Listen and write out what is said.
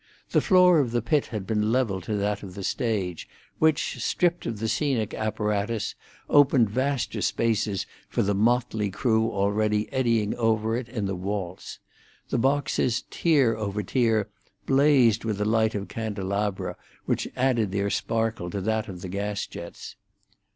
The floor of the pit had been levelled to that of the stage, which, stripped of the scenic apparatus, opened vaster spaces for the motley crew already eddying over it in the waltz. The boxes, tier over tier, blazed with the light of candelabra which added their sparkle to that of the gas jets.